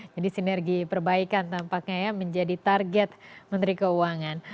jadi sinergi perbaikan tampaknya ya menjadi target menteri keuangan